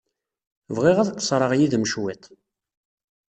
Bɣiɣ ad qeṣṣreɣ yid-m cwiṭ.